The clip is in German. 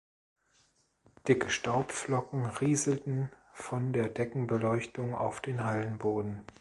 Dicke Staubflocken rieselten von der Deckenbeleuchtung auf den Hallenboden.